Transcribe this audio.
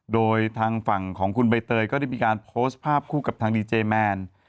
โดยทางฝั่งของคุณใบเตยก็ได้มีการโพสต์ภาพคู่กับทางดีเจแมน